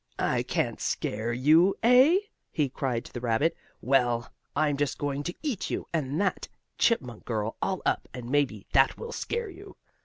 "I can't scare you; eh?" he cried to the rabbit. "Well, I'm just going to eat you, and that chipmunk girl all up, and maybe that will scare you!"